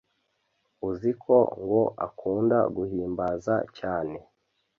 uziko ngo akunda guhimbaza cyane